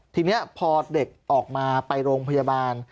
ทีนี้พอเด็กออกมาไปโรงพยาบาล